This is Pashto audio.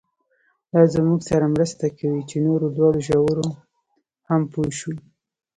دا زموږ سره مرسته کوي چې نورو لوړو ژورو هم پوه شو.